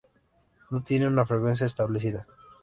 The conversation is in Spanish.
No tiene una frecuencia establecida.